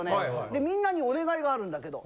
で「みんなにお願いがあるんだけど。